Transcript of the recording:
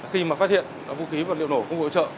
khi mà phát hiện vũ khí vật liệu nổ không ủi trợ